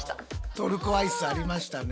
トルコアイスありましたね。